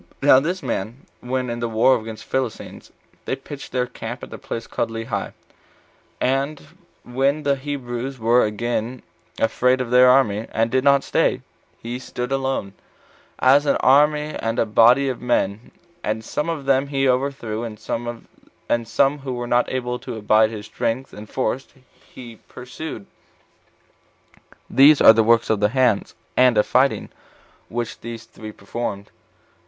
Now this man, when, in the wars against the Philistines, they pitched their camp at a place called Lehi, and when the Hebrews were again afraid of their army, and did not stay, he stood still alone, as an army and a body of men; and some of them he overthrew, and some who were not able to abide his strength and force he pursued. These are the works of the hands, and of fighting, which these three performed.